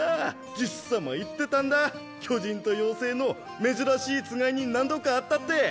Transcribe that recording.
じっさま言ってたんだぁ巨人と妖精の珍しいつがいに何度か会ったって。